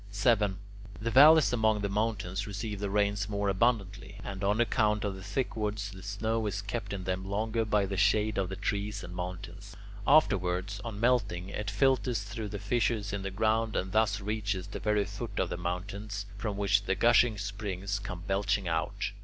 7. The valleys among the mountains receive the rains most abundantly, and on account of the thick woods the snow is kept in them longer by the shade of the trees and mountains. Afterwards, on melting, it filters through the fissures in the ground, and thus reaches the very foot of the mountains, from which gushing springs come belching out.